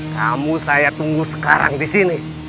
kamu saya tunggu sekarang disini